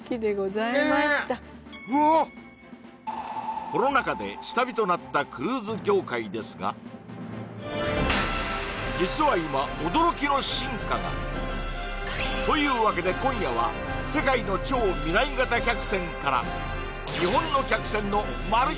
うわっコロナ禍で下火となったクルーズ業界ですが実は今というわけで今夜は世界の超未来型客船から日本の客船のマル秘